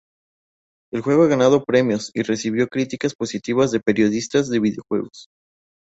El juego ha ganado premios y recibió críticas positivas de periodistas de videojuegos.